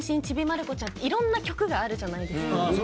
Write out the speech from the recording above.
『ちびまる子ちゃん』いろんな曲があるじゃないですか。